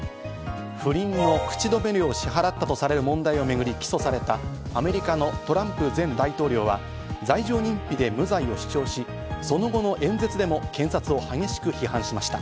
不倫の口止め料を支払ったとされる問題をめぐり起訴されたアメリカのトランプ前大統領は罪状認否で無罪を主張し、その後の演説でも検察を激しく批判しました。